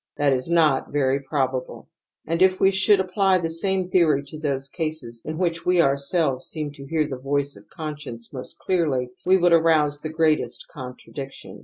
That is not very probable. And if we should apply the same theory to those cases in which we ourselves seem to hear the Voice of conscience most clearly we would arouse the greatest contradiction.